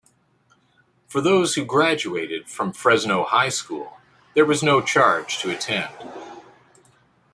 For those who graduated from Fresno High School, there was no charge to attend.